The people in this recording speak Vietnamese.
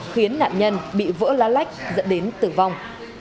khiến nạn nhân bị vỡ lá lách dẫn đến tử vong